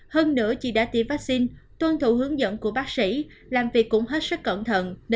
hơn nữa chị đã tiêm vaccine tuân thủ hướng dẫn của bác sĩ làm việc cũng hết sức cẩn thận